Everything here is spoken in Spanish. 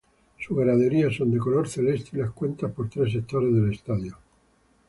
Sus graderías son de color celeste y las cuenta por tres sectores del estadio.